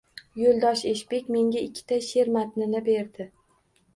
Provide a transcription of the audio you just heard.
Yo’ldosh Eshbek menga ikkita she’r matnini berib